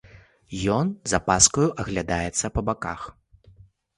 Ён з апаскаю аглядаецца па баках.